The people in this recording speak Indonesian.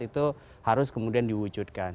itu harus kemudian diwujudkan